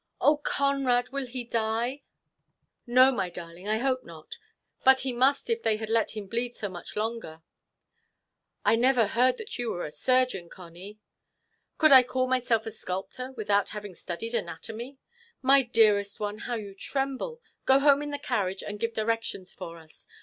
"Oh, Conrad, will he die?" "No, my darling, I hope not; but he must if they had let him bleed so much longer." "I never heard that you were a surgeon, Conny." "Could I call myself a sculptor, without having studied anatomy? My dearest one, how you tremble! Go home in the carriage, and give directions for us.